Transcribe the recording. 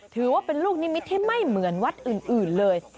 ถือว่าเป็นลูกนิมิตที่ไม่เหมือนวัดอื่นเลย